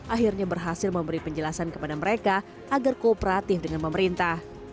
akhirnya berhasil memberi penjelasan kepada mereka agar kooperatif dengan pemerintah